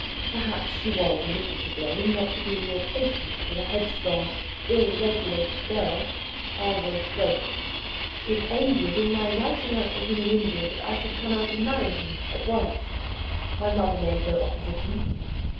Perhaps she was a little to blame not to be more patient with a headstrong, ill regulated girl. I was both. It ended in my writing out to him in India that I should come out and marry him at once. My mother made no opposition."